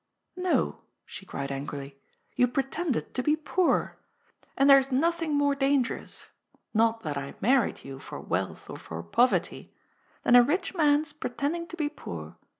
" No," she cried angrily, " you pretended to be poor. And there is nothing more dangerous — not that I married you for wealth or for poverty — than a rich man's pretend ing to be poor.